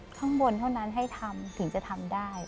ข้างบนเท่านั้นให้ทำถึงจะทำได้